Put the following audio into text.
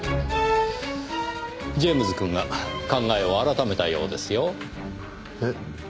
ジェームズくんが考えを改めたようですよ。え？